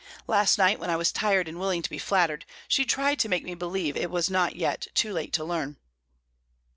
Last night, when I was tired and willing to be flattered, she tried to make me believe it was not yet too late to learn."